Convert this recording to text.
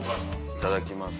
いただきます。